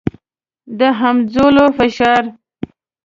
د همځولو فشار.